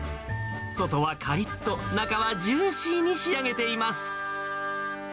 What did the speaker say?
外はかりっと、中はジューシーに仕上げています。